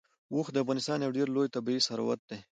اوښ د افغانستان یو ډېر لوی طبعي ثروت دی.